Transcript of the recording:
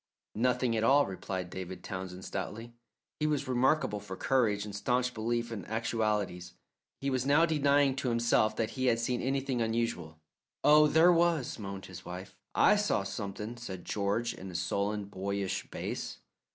"Nothing at all," replied David Townsend stoutly. He was remarkable for courage and staunch belief in actualities. He was now denying to himself that he had seen anything unusual. "Oh, there was," moaned his wife. "I saw something," said George, in a sullen, boyish bass.